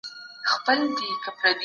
هغه وچکالي چي روانه ده ډېره ویجاړونکي ده.